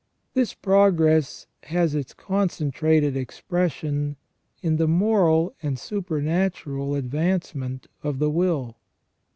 This progress has its concentrated expression in the moral and super natural advancement of the will.